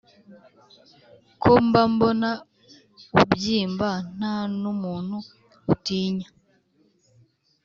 Ko mba mbona ubyimba nta nu muntu utinya